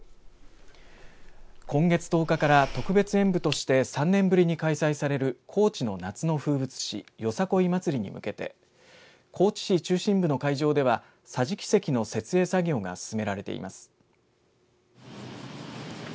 今月１０日から特別演舞として３年ぶりに開催される高知の夏の風物詩よさこい祭りに向けて高知市中心部の会場では桟敷席の設営作業が進められています。